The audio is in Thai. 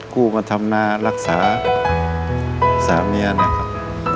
กู้มาทำหน้ารักษาสามีเนี่ยครับ